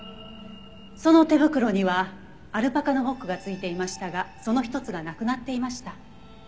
その手袋にはアルパカのホックが付いていましたがその１つがなくなっていました。